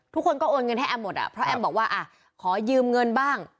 ทุกคนก็โอนเงินให้แอมหมดอ่ะเพราะแอมบอกว่าอ่ะขอยืมเงินบ้าง